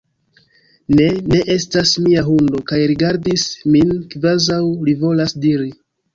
Ne! Ne estas mia hundo! kaj rigardis min kvazaŭ li volas diri